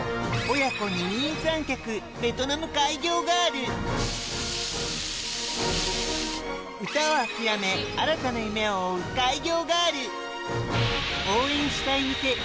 親子二人三脚ベトナム開業ガール歌を諦め新たな夢を追う開業